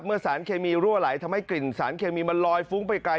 สารเคมีรั่วไหลทำให้กลิ่นสารเคมีมันลอยฟุ้งไปไกล